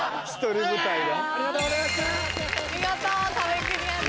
見事壁クリアです。